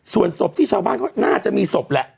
ส่วนศพที่ชาวบ้านเขาน่าจะมีศพแหละ